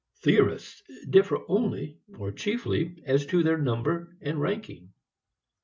Theorists differ only or chiefly as to their number and ranking.